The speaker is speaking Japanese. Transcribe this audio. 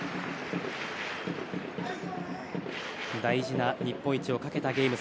大事な日本一をかけたゲーム。